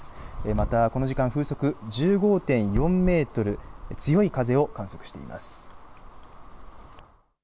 またこの時間、風速１５．４メートル、強い風を観測しています。